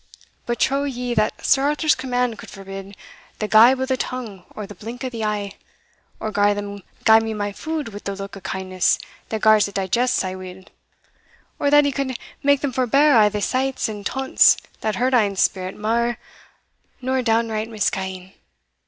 But trow ye that Sir Arthur's command could forbid the gibe o' the tongue or the blink o' the ee, or gar them gie me my food wi' the look o' kindness that gars it digest sae weel, or that he could make them forbear a' the slights and taunts that hurt ane's spirit mair nor downright misca'ing?